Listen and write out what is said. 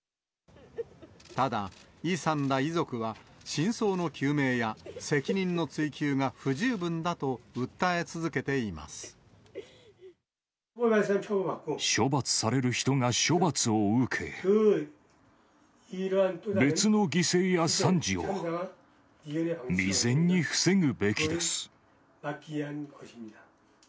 ただ、イさんら遺族は真相の究明や責任の追及が不十分だと訴え続けてい処罰される人が処罰を受け、別の犠牲や惨事を未然に防ぐべきです。